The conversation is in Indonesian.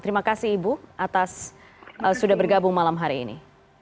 terima kasih ibu atas sudah bergabung malam hari ini